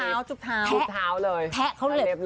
จุ๊บเท้าจุ๊บเท้าจุ๊บเท้าเลยเทะเขาเลย